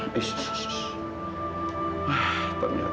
baik dit anyone